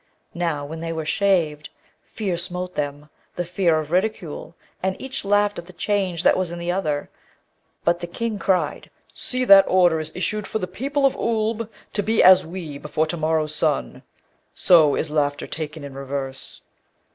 Now, when they were shaved, fear smote them, the fear of ridicule, and each laughed at the change that was in the other; but the King cried, 'See that order is issued for the people of Oolb to be as we before to morrow's sun. So is laughter taken in reverse.'